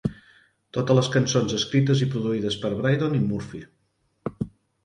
"Totes les cançons escrites i produïdes per Brydon i Murphy".